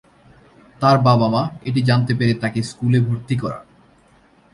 তার বাবা-মা এটি জানতে পেরে তাকে স্কুলে ভর্তি করান।